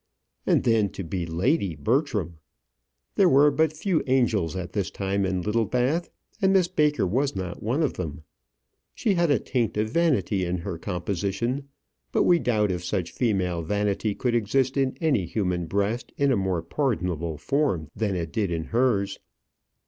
And then, to be Lady Bertram! There were but few angels at this time in Littlebath, and Miss Baker was not one of them: she had a taint of vanity in her composition; but we doubt if such female vanity could exist in any human breast in a more pardonable form than it did in hers.